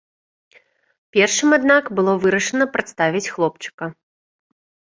Першым, аднак, было вырашана прадставіць хлопчыка.